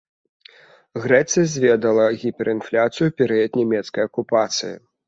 Грэцыя зведала гіперінфляцыю ў перыяд нямецкай акупацыі.